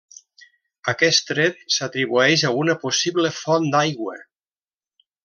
Aquest tret s'atribueix a una possible font d'aigua.